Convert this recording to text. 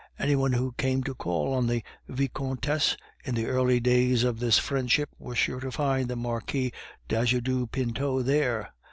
Any one who came to call on the Vicomtesse in the early days of this friendship was sure to find the Marquis d'Ajuda Pinto there.